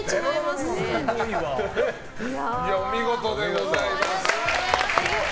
お見事でございます！